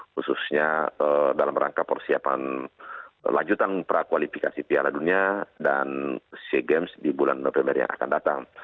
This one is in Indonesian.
khususnya dalam rangka persiapan lanjutan prakualifikasi piala dunia dan sea games di bulan november yang akan datang